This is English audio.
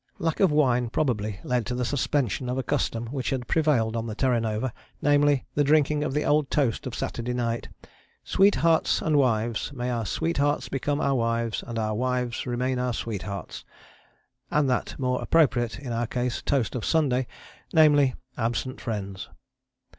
Lack of wine probably led to the suspension of a custom which had prevailed on the Terra Nova, namely, the drinking of the old toast of Saturday night, "Sweethearts and wives; may our sweethearts become our wives, and our wives remain our sweethearts," and that more appropriate (in our case) toast of Sunday, namely, "absent friends."